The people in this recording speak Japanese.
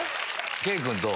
圭君どう？